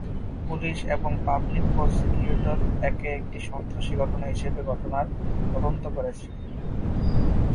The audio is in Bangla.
পুলিশ এবং পাবলিক প্রসিকিউটর একে একটি সন্ত্রাসী ঘটনা হিসেবে ঘটনার তদন্ত করছে।